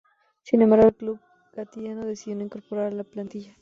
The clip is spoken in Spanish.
Sin embargo el club gaditano decidió no incorporarlo a la plantilla.